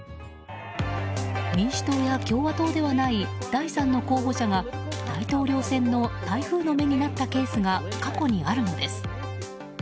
民主党や共和党ではない第３の候補者が大統領選の台風の目になったケースが過去にあるのです。